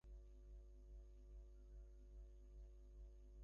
দুর্গার মনে হয় অন্যমনস্ক হইয়া থাকিলে জ্বর চলিয়া যাইবে।